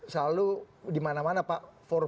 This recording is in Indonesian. selalu di mana mana pak